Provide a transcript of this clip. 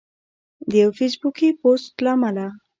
د یو فیسبوکي پوسټ له امله